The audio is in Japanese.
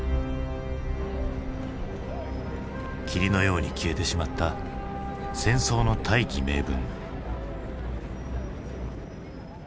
霧のように消えてしまった戦争の大義名分。